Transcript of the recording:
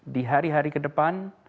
di hari hari ke depan